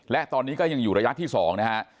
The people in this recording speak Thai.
และตอนนี้ก็ยังอยู่ระยะที่๒นะฮะ